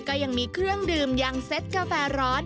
ก็ยังมีเครื่องดื่มอย่างเซ็ตกาแฟร้อน